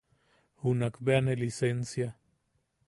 Junak bea ne lisensia.